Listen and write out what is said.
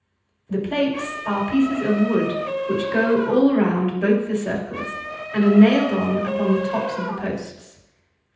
The plates are pieces of wood which go all round both the circles, and are nailed on upon the tops of the posts.